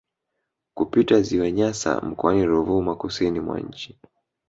Kupiti ziwa Nyasa mkoani Ruvuma kusini mwa nchi